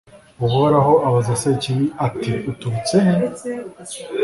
uhoraho abaza sekibi ati uturutse he